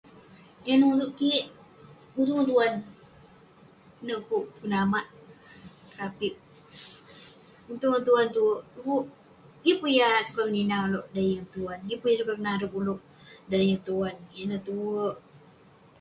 Yah nutouk kik, mutouk ngan Tuhan. Inouk kuk pun amak kerapip, mutouk ngan Tuhan tue. Dekuk Yeng pun yah sukat keninah ulouk dan neh Tuhan, yeng pun sukat kenarep ulouk dan neh yeng Tuhan. Ineh tue.